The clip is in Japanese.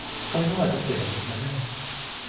そういうのが出てるんですよね。